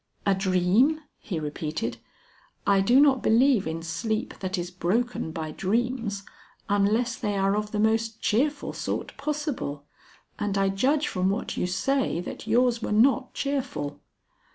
"A dream!" he repeated. "I do not believe in sleep that is broken by dreams, unless they are of the most cheerful sort possible. And I judge from what you say that yours were not cheerful."